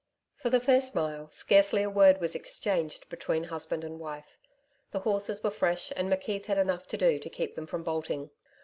For the first mile scarcely a word was exchanged between husband and wife. The horses were fresh and McKeith had enough to do to keep them from bolting.